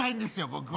僕は。